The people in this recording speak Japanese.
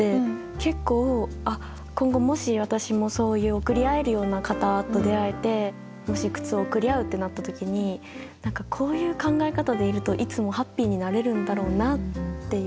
結構今後もし私もそういう贈り合えるような方と出会えてもし靴を贈り合うってなった時に何かこういう考え方でいるといつもハッピーになれるんだろうなっていう。